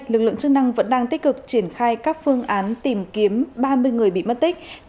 lực lượng chức năng vẫn đang tích cực triển khai các phương án tìm kiếm ba mươi người bị mất tích